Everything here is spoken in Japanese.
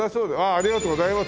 ありがとうございます。